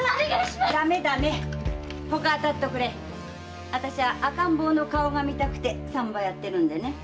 〔あたしゃ赤ん坊の顔が見たくて産婆やってるんでね〕